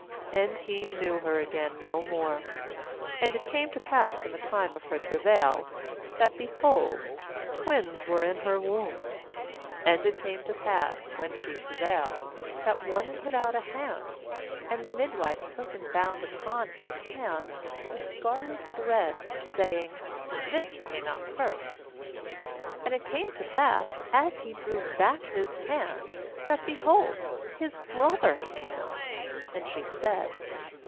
And he knew her again no more. ^And it came to pass in the time of her travail, that, behold, twins were in her womb. ^And it came to pass, when she travailed, that one put out a hand; and the midwife took and bound upon his hand a scarlet thread, saying 'This came out first.' 29And it came to pass, as he drew back his hand, that, behold, his brother came out; and she said.